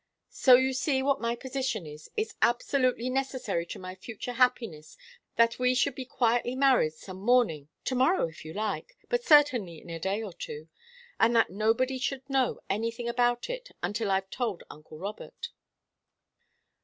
So you see what my position is. It's absolutely necessary to my future happiness that we should be quietly married some morning to morrow, if you like, but certainly in a day or two and that nobody should know anything about it, until I've told uncle Robert."